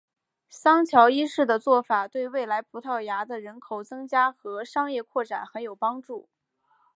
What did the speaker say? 桑乔一世的做法对未来葡萄牙的人口增加和商业扩展很有帮助。